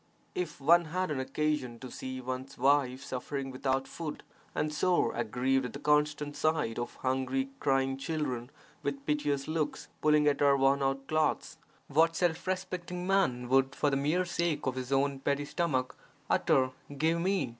If one had an occasion to see one's wife suffering without food and sore aggrieved at the constant sight of hungry crying children with piteous looks pulling at her worn out clothes, what self respecting man would for the mere sake of his own petty stomach utter 'give me' (i.